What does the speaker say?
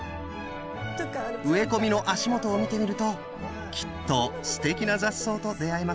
植え込みの足元を見てみるときっとすてきな雑草と出会えますよ。